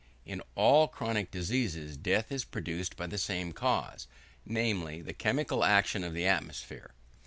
In all chronic diseases death is produced by the same cause, namely, the chemical action of the atmosphere.